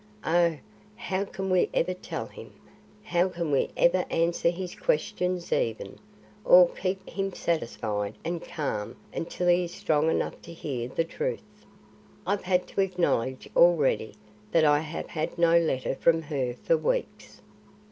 Oh, how can we ever tell him! How can we ever answer his questions even, or keep him satisfied and calm until he is strong enough to hear the truth. I've had to acknowledge already that I have had no letter from her for weeks.